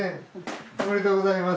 おめでとうございます。